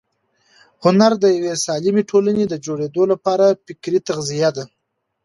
هنر د یوې سالمې ټولنې د جوړېدو لپاره فکري تغذیه ده.